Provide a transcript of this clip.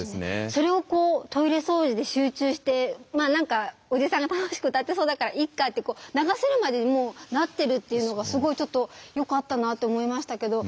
それをこうトイレ掃除で集中して何かおじさんが楽しく歌ってそうだからいっかって流せるまでにもうなってるっていうのがすごいちょっとよかったなって思いましたけど。